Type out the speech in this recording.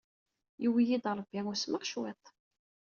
Yuwey-iyi-d Ṛebbi usmeɣ cwiṭ.